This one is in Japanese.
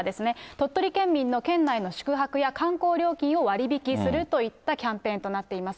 鳥取県民の県内の宿泊や観光料金を割引するといったキャンペーンとなっています。